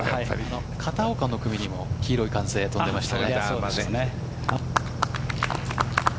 片岡の組にも黄色い歓声飛んでいました。